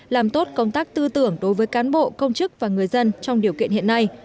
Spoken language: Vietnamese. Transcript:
làm tốt công tác tư tưởng đối với cán bộ công chức và người dân trong điều kiện hiện nay